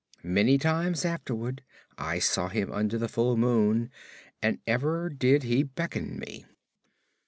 Many times afterward I saw him under the full moon, and ever did he beckon me.